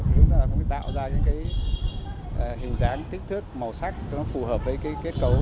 chúng ta phải tạo ra những hình dáng kích thước màu sắc phù hợp với kết cấu